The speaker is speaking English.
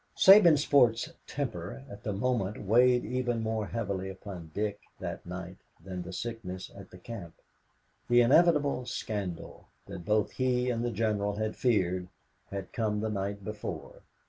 Sabinsport's temper at the moment weighed even more heavily upon Dick that night than the sickness at the camp. The inevitable scandal, that both he and the General had feared, had come the night before.